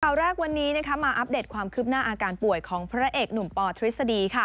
ข่าวแรกวันนี้มาอัปเดตความคืบหน้าอาการป่วยของพระเอกหนุ่มปอทฤษฎี